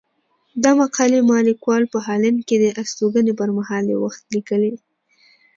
دا مقالې ما ليکوال په هالنډ کې د استوګنې پر مهال يو وخت ليکلي.